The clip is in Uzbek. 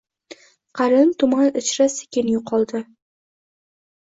Qalin tuman ichra sekin yo‘qoldi.